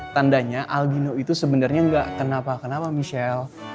tandanya aldino itu sebenarnya nggak kenapa kenapa michelle